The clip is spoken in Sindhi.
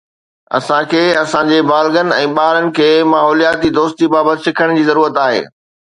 اسان کي اسان جي بالغن ۽ ٻارن کي ماحولياتي دوستي بابت سکڻ جي ضرورت آهي